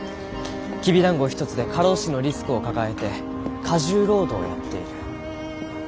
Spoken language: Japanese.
きびだんご一つで過労死のリスクを抱えて過重労働をやっている。